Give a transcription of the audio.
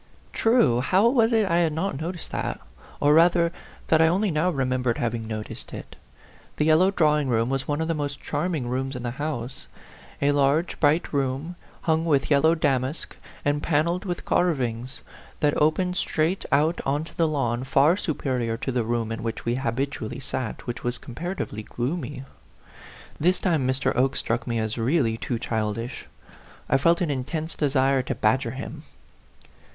True! How was it I had not noticed that ? or, rather, that I only now remembered having noticed it? The yellow drawing room was one of the most charming rooms in the house; a large, bright room, hung with yellow damask and panelled with carvings, that opened straight out on to the lawn, far superior to the room in which we habitually ,sat, which was comparatively gloomy. This time Mr. Oke struck me as really too child ish. I felt an intense desire to badger him.